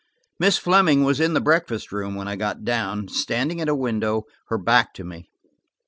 Miss Fleming was in the breakfast room when I got down, standing at a window, her back to me.